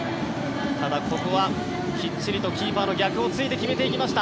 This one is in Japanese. ただ、ここはきっちりとキーパーの逆を突いて決めてきました。